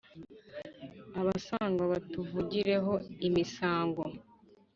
Abasangwa batuvugire ho imisango